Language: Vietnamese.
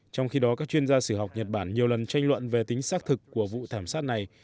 trong khi đó các chuyên gia sử học nhật bản nhiều lần tranh luận về tính xác thực của vụ thảm sát này